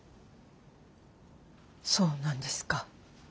そうなんですか。